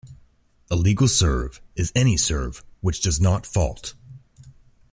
A legal serve is any serve which does not "fault".